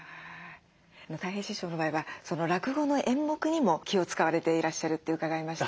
たい平師匠の場合は落語の演目にも気を遣われていらっしゃるって伺いました。